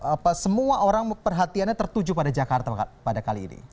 apa semua orang perhatiannya tertuju pada jakarta pada kali ini